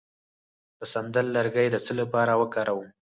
د سندل لرګی د څه لپاره وکاروم؟